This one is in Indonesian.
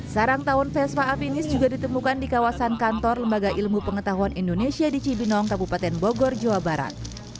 sarang tawon vespa afinis juga ditemukan di kawasan kantor lembaga ilmu pengetahuan indonesia di cibinong kabupaten bogor jawa barat